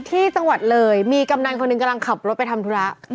ที่จังหวัดเลยมีกำนันคนหนึ่งกำลังขับรถไปทำธุระ